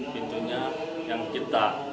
pintunya yang kita